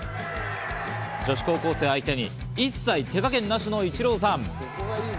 女子高校生相手に一切、手加減なしのイチローさん。